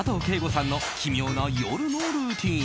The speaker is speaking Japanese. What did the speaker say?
瑚さんの奇妙な夜のルーティン。